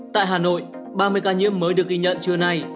tại hà nội ba mươi ca nhiễm mới được ghi nhận trưa nay